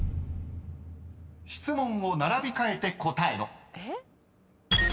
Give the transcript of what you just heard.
［質問を並び替えて答えろ］